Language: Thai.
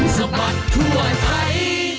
สบัติถ่วยไฟ